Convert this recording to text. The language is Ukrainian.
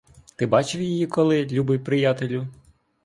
Ти бачив її коли, любий приятелю?